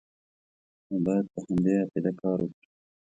او باید په همدې عقیده کار وکړي.